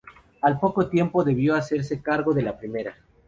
Al poco tiempo debió hacerse cargo de la Primera.